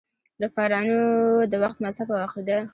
د فرعنوو د وخت مذهب او عقیده :